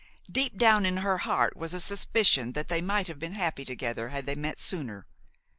Deep down in her heart was a suspicion that they might have been happy together had they met sooner.